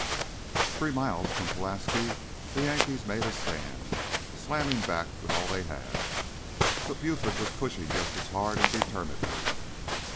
Three miles from Pulaski the Yankees made a stand, slamming back with all they had, but Buford was pushing just as hard and determinedly.